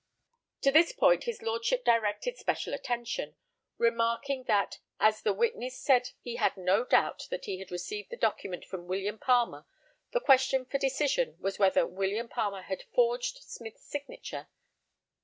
To this point his Lordship directed special attention, remarking that as the witness said he had no doubt that he had received the document from William Palmer, the question for decision was whether William Palmer had forged Smith's signature.